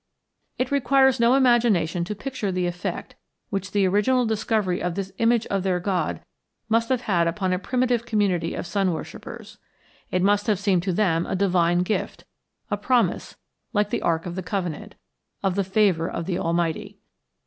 It requires no imagination to picture the effect which the original discovery of this image of their god must have had upon a primitive community of sun worshippers. It must have seemed to them a divine gift, a promise, like the Ark of the Covenant, of the favor of the Almighty.